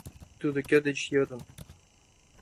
Тудо кӧ деч йодын?